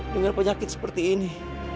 dengan penyakit seperti ini